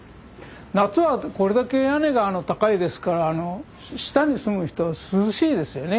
夏はこれだけ屋根が高いですから下に住む人は涼しいですよね。